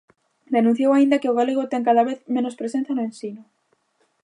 Denunciou aínda que o galego ten cada vez menos "presenza" no ensino.